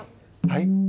はい？